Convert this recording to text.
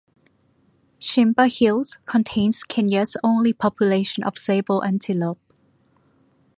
Shimba Hills contains Kenya's only population of Sable Antelope.